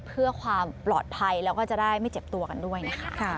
เพื่อความปลอดภัยแล้วก็จะได้ไม่เจ็บตัวกันด้วยนะคะ